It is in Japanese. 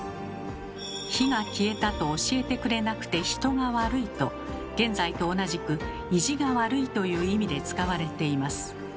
「火が消えたと教えてくれなくて人が悪い」と現在と同じく「意地が悪い」という意味で使われています。